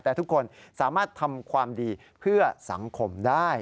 แต่ทุกคนสามารถทำความดีเพื่อสังคมได้